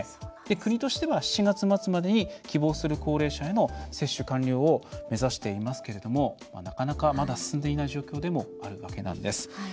国としては７月末までに希望する高齢者への接種完了を目指していますけれどもなかなか、まだ進んでいない状況でもあるわけなんです。